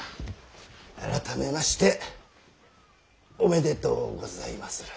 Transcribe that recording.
改めましておめでとうございまする。